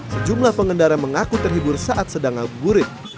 sejumlah pengendara mengaku terhibur saat sedang ngabuburit